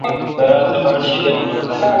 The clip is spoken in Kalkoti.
درا تہ باڑشیدل این۔